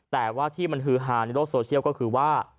แต่ว่าที่มันฮือฮาในโลกโซเชียลก็คือว่า